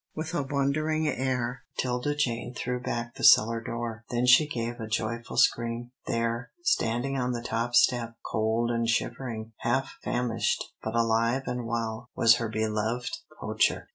With a wondering air 'Tilda Jane threw back the cellar door. Then she gave a joyful scream. There, standing on the top step, cold and shivering, half famished, but alive and well, was her beloved Poacher.